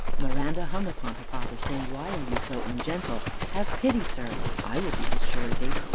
Miranda hung upon her father, saying, "Why are you so ungentle? Have pity, sir; I will be his surety.